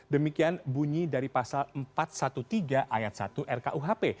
demikian bunyi dari pasal empat ratus tiga belas ayat satu rkuhp